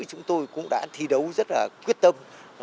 chúng tôi cũng đã thi đấu rất là quyết tâm